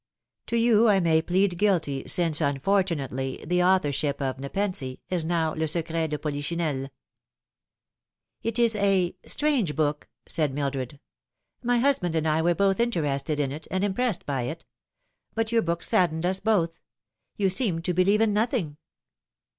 To you I may plead guilty, since, unfortunately, the authorship of Nepenthe is now le secret de Polichinelle" " It is a strange book," said Mildred. " My husband and I were both interested in it, and impressed by it. But your book saddened us both. You seem to believe in nothing."